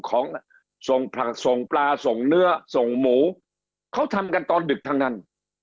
ส่งผักส่งปลาส่งเนื้อส่งหมูเขาทำกันตอนดึกทั้งนั้น